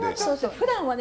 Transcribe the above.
ふだんはね